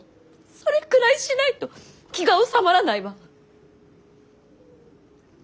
それくらいしないと気が収まらないわ。